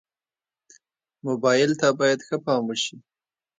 موبایل ته باید ښه پام وشي.